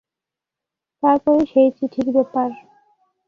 তার পরেই সেই চিঠির ব্যাপার।